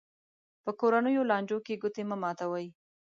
په کورنیو لانجو کې ګوتې مه ماتوي.